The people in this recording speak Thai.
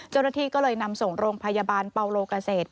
จริงก็เลยนำส่งโรงพยาบาลเปาโลกเกษตร